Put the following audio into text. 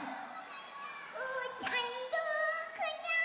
うーたんどこだ？